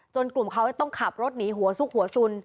กลุ่มเขาต้องขับรถหนีหัวซุกหัวสุน